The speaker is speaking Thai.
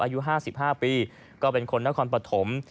อายุ๕๕ปีก็เป็นคนนครปฐม